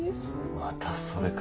またそれか。